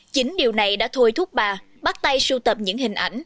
chính điều này đã thôi thúc bà bắt tay sưu tập những hình ảnh